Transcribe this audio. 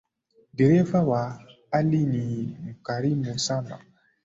Dereva wa ali ni mkarimu sana.